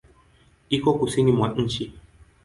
Iko Kusini mwa nchi.